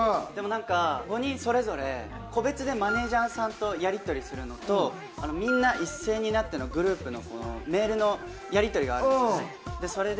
でも５人それぞれ個別でマネジャーさんとやりとりするのとみんな一斉になってのグループのメールのやりとりがあるんです。